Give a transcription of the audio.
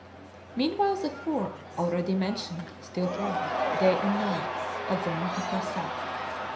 Meanwhile the four already mentioned still prayed, day and night, at the Maha Phrasat.